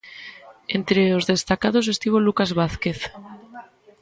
Entre os destacados estivo Lucas Vázquez.